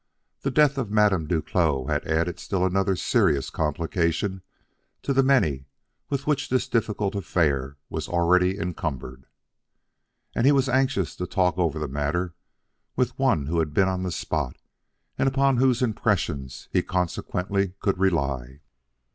The death of Madame Duclos had added still another serious complication to the many with which this difficult affair was already encumbered, and he was anxious to talk over the matter with one who had been on the spot and upon whose impressions he consequently could rely.